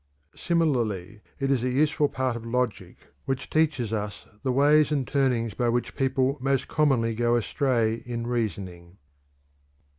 Similarly, it is a useful part of logic which teaches us the ways and turnings by which people most commonly go astray in reasoning."